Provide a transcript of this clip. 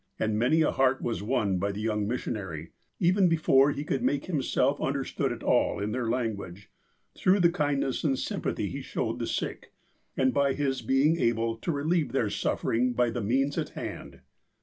And many a heart was won by the young missionary, even before he could make himself understood at all in their language, through the kindness and symj)athy he showed the sick, and by his being able to relieve their suffering by the means at hand.